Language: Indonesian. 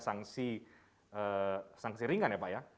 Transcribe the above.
sanksi ringan ya pak ya